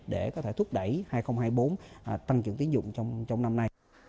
để có thể thúc đẩy hai nghìn hai mươi bốn tăng trưởng tiến dụng trong năm nay